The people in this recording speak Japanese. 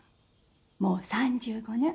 もう３５年。